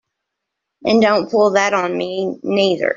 And don't pull that on me neither!